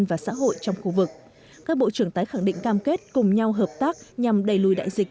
và xã hội trong khu vực các bộ trưởng tái khẳng định cam kết cùng nhau hợp tác nhằm đẩy lùi đại dịch